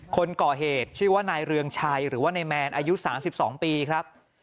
คนก่อเหตุชื่อว่านายเรืองชัยหรือว่านายแมนอายุ๓๒ปีครับ